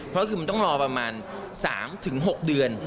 เพราะคือมันต้องรอประมาณ๓๖เดือน